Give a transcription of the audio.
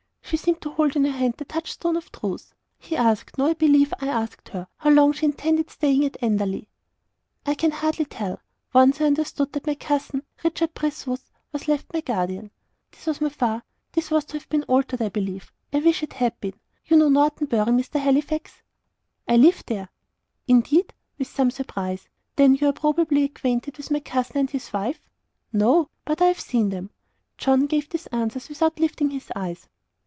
She seemed to hold in her hand the touchstone of truth. He asked no, I believe I asked her, how long she intended staying at Enderley? "I can hardly tell. Once I understood that my cousin Richard Brithwood was left my guardian. This my fa this was to have been altered, I believe. I wish it had been. You know Norton Bury, Mr. Halifax?" "I live there." "Indeed!" with some surprise. "Then you are probably acquainted with my cousin and his wife?" "No; but I have seen them." John gave these answers without lifting his eyes.